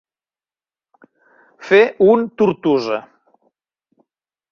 Fer un Tortosa.